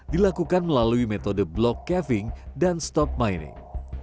dilakukan melalui metode block caving dan stop mining